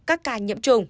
các ca nhiễm trùng